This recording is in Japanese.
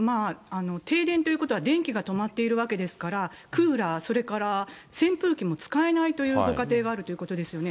停電ということは電気が止まっているわけですから、クーラー、それから扇風機も使えないというご家庭があるということですよね。